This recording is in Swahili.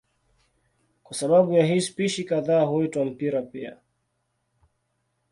Kwa sababu ya hii spishi kadhaa huitwa mpira pia.